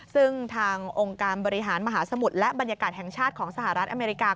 ซึ่งทางองค์การบริหารมหาสมุทรและบรรยากาศแห่งชาติของสหรัฐอเมริกา